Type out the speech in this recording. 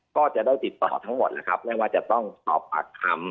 ก็จะได้ติดต่อทั้งหมดนะครับไม่ว่าจะต้องสอบปากคำ